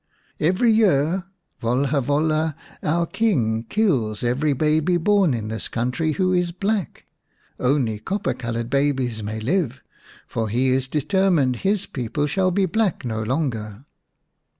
"Every year Volha Volha, our King, kills every baby born in this country who is black. Only copper coloured babies may live, for he is 107 The Serpent's Bride ix determined his people shall be black no longer.